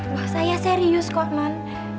wah saya serius kok non